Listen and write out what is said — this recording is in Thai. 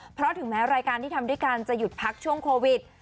เพราะถึงแม้รายการที่ทำด้วยกันจะหยุดพักช่วงโควิด